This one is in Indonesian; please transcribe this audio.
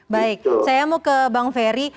baik saya mau ke bang ferry